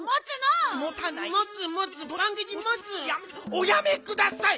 おやめください！